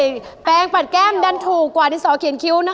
แปลงปัดแก้มดันถูกกว่าดินสอเขียนคิ้วนะคะ